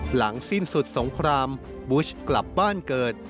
หลังสิ้นสุดสงครามบุชกลับบ้านเกิด